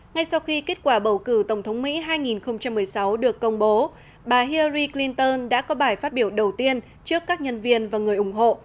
ngay sau khi kết quả bầu cử tổng thống mỹ hai nghìn một mươi sáu được công bố bà hierry clinton đã có bài phát biểu đầu tiên trước các nhân viên và người ủng hộ